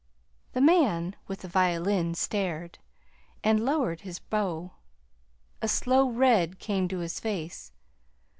The man with the violin stared, and lowered his bow. A slow red came to his face.